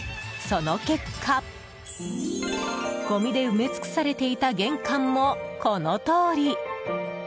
その結果ごみで埋め尽くされていた玄関もこのとおり。